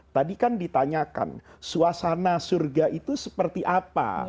tadi kan ditanyakan suasana surga itu seperti apa